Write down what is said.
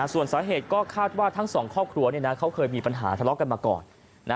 ส่วนสาเหตุก็คาดว่าทั้งสองครอบครัวเขาเคยมีปัญหาทะเลาะกันมาก่อน